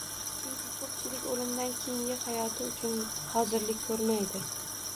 Chunki ko‘pchilik o‘limdan keyingi hayoti uchun hozirlik ko‘rmaydi